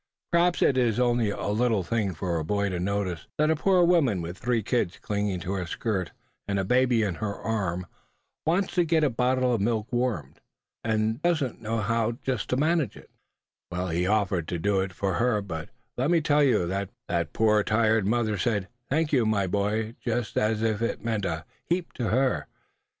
Perhaps it is only a little thing for a boy to notice that a poor woman with three kids clinging to her skirts, and a baby in her arms, wants to get a bottle of milk warmed, and don't know just how to manage it; and to offer to do it for her; but let me tell you, that poor tired mother said 'thank you, my boy' just as if it meant a heap to her!